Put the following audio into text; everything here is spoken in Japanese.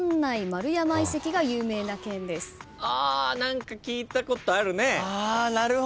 何か聞いたことあるね。